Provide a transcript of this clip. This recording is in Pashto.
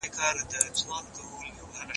که تاسي مرسته کړې وای کار به اسانه و.